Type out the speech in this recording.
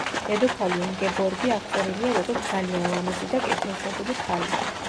დედოფალი ინგებორგი აღწერილია, როგორც ძალიან ლამაზი და კეთილშობილი ქალი.